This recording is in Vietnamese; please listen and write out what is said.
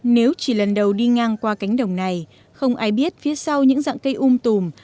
nếu chỉ lần đầu đi ngang qua cánh đồng này không ai biết phía sau những dạng cây um tùm